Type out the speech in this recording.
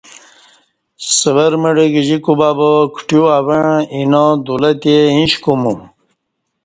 سور مڑہ گجی کوبہ با کٹیو اوݩع اینا دولہ تے ایش کومو